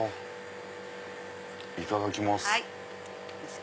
いただきます。